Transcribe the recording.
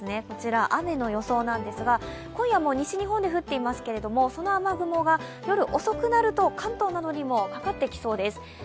こちら雨の予想なんですが今夜も西日本で降っているんですが、その雨雲が夜遅くなると関東などにもかかってきそうです。